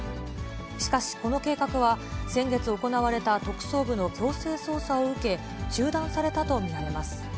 しかし、この計画は先月行われた特捜部の強制捜査を受け、中断されたと見られます。